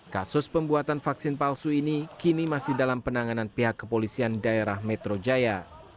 kasus pembuatan vaksin palsu ini kini masih dalam penanganan pihak kepolisian daerah metro jaya